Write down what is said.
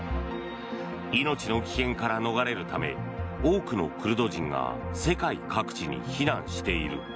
命の危険から逃れるため多くのクルド人が世界各地に避難している。